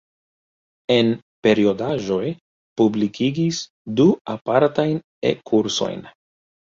En periodaĵoj publikigis du apartajn E-kursojn.